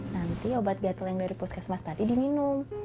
nanti obat gatel yang dari puskesmas tadi diminum